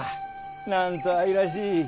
なんと愛らしい。